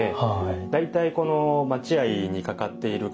大体この待合に掛かっている掛